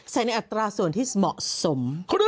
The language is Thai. ใส่ในอัตราส่วนที่เหมาะสม